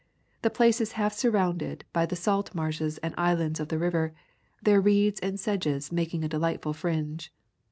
The place is half surrounded by the salt marshes and islands of the river, their reeds and sedges making a delightful fringe.